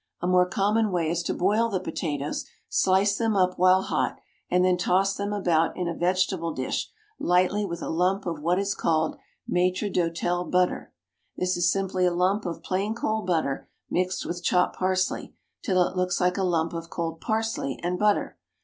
A more common way is to boil the potatoes, slice them up while hot, and then toss them about in a vegetable dish lightly with a lump of what is called Maitre d'hotel butter. This is simply a lump of plain cold butter, mixed with chopped parsley, till it looks like a lump of cold parsley and butter.